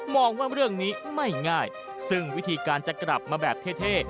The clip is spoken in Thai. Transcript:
องว่าเรื่องนี้ไม่ง่ายซึ่งวิธีการจะกลับมาแบบเท่